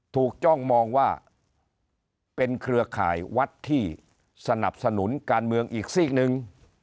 จ้องมองว่าเป็นเครือข่ายวัดที่สนับสนุนการเมืองอีกซีกหนึ่ง